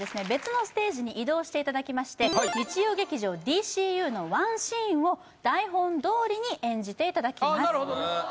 別のステージに移動していただきまして日曜劇場「ＤＣＵ」のワンシーンを台本どおりに演じていただきますなるほどね